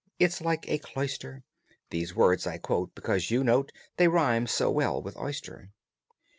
It's like a cloister." (These words I quote because, you note, They rhyme so well with oyster.)